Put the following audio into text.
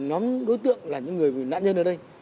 nhóm đối tượng là những người nạn nhân ở đây